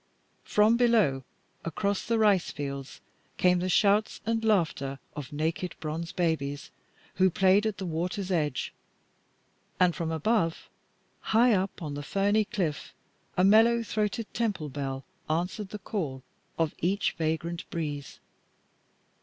From below, across the rice fields, came the shouts and laughter of naked bronze babies who played at the water's edge, and from above, high up on the ferny cliff, a mellow throated temple bell answered the call of each vagrant breeze.